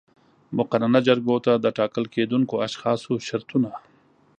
مقننه جرګو ته د ټاکل کېدونکو اشخاصو شرطونه